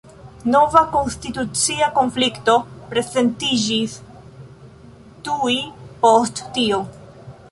Nova konstitucia konflikto prezentiĝis tuj post tio.